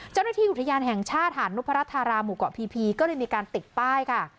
เจ้าหน้าที่อุทยานแห่งชาติหาดนุพรธาราหมู่เกาะพีพีก็เลยมีการติดป้ายค่ะ